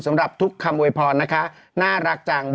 น้ำชาชีวนัทครับผมโพสต์ขอโทษทำเข้าใจผิดหวังคำเวพรเป็นจริงนะครับ